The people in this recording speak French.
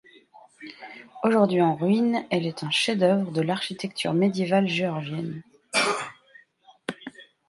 Aujourd'hui en ruines, elle est un chef-d'œuvre de l'architecture médiévale géorgienne.